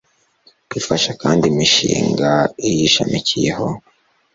ifasha kandi imishinga iyishamikiyeho